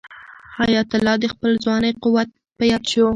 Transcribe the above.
حیات الله ته د خپل ځوانۍ قوت په یاد شو.